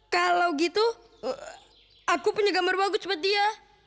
kalau gitu aku punya gambar bagus buat dia